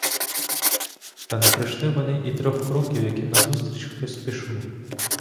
Та не пройшли вони і трьох кроків, як їм назустріч хтось пішов.